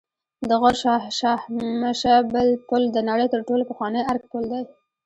د غور شاهمشه پل د نړۍ تر ټولو پخوانی آرک پل دی